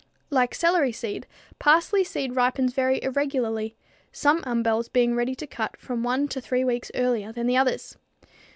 Like celery seed, parsley seed ripens very irregularly, some umbels being ready to cut from one to three weeks earlier than others.